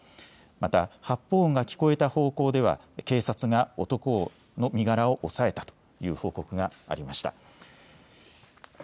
また発砲音が聞こえた方向では警察が男の身柄を押さえたという報告がありました。